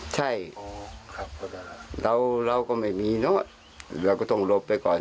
ใช่เราเราก็ไม่มีเนอะเราก็ต้องหลบไปก่อน